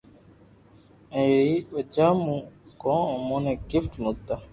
او اي رو وجھ مون ڪو امون نو گفٽ مڪتا